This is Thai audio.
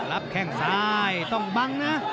รับแค่งซ้ายต้องบังนะ